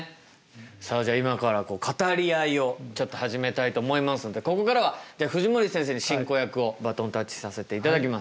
さあじゃあ今から語り合いをちょっと始めたいと思いますのでここからはじゃあ藤森先生に進行役をバトンタッチさせていただきます。